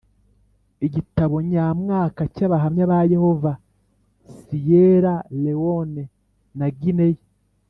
Igitabo nyamwaka cy abahamya ba yehova siyera lewone na gineya